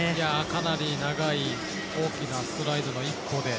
かなり長い大きなストライドの一歩で。